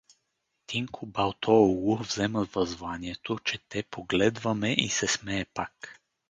Тинко Балтоолу взема възванието, чете, погледва ме и се смее пак.